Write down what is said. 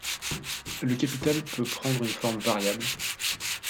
Le capital peut prendre une forme variable.